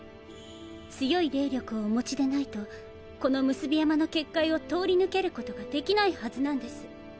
強い霊力をお持ちでないとこの産霊山の結界を通り抜けることが出来ないはずなんです。